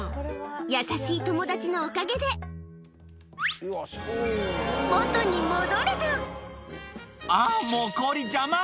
優しい友達のおかげで、あー、もう氷、邪魔！